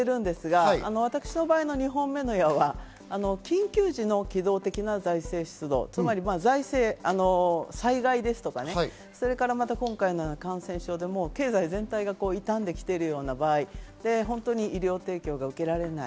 私の場合の２本目の矢は、緊急時の機動的な財政出動、つまり災害ですとか、今回のような感染症で経済全体が傷んできているような場合、本当に医療提供が受けられない。